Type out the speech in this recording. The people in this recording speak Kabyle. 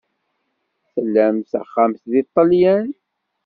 Tlamt axxam deg Ṭṭalyan?